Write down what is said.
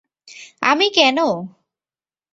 আমি কেন?